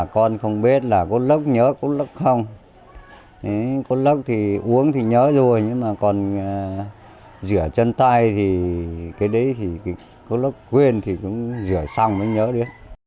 có lúc quên thì cũng rửa xong mới nhớ đi